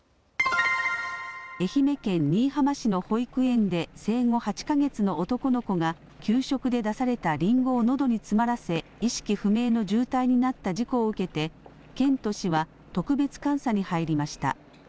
愛媛県新居浜市の保育園で生後８か月の男の子が給食で出されたりんごをのどに詰まらせ意識不明の重体になった事故を受けて県と市は特別監査に入りました。